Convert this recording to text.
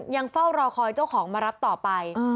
ยังเฝ้ารอคอยเจ้าของมารับต่อไป